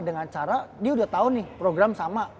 dengan cara dia udah tau nih programnya